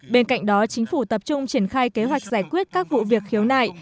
bên cạnh đó chính phủ tập trung triển khai kế hoạch giải quyết các vụ việc khiếu nại